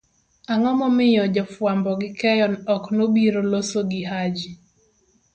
ang'o momiyo jofwambo gi keyo ok nobiro losogihaji?